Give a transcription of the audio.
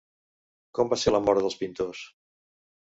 Com va ser la mort dels pintors?